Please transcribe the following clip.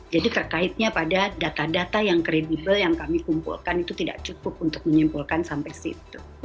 jadi terkaitnya pada data data yang kredibel yang kami kumpulkan itu tidak cukup untuk menyimpulkan sampai situ